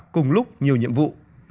cùng lúc nhiều nhiệm vụ